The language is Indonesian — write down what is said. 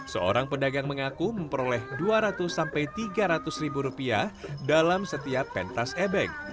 seorang pedagang mengaku memperoleh dua ratus sampai tiga ratus ribu rupiah dalam setiap pentas ebek